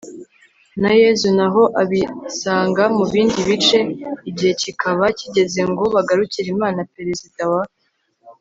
na yezu, naho abisanga mu bindi bice, igihe kikaba kigeze ngo bagarukire imana. perezida wa